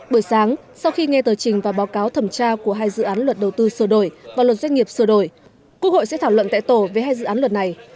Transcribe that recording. bữa sáng sau khi nghe tờ trình và báo cáo thẩm tra của hai dự án luật đầu tư sửa đổi và luật doanh nghiệp sửa đổi quốc hội sẽ thảo luận tại tổ về hai dự án luật này